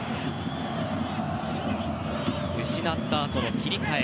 失ったあとの切り替え。